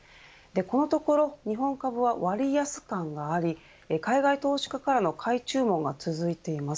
このところ日本株は割安感があり海外投資家からの買い注文が続いています。